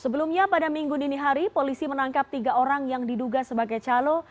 sebelumnya pada minggu dini hari polisi menangkap tiga orang yang diduga sebagai calo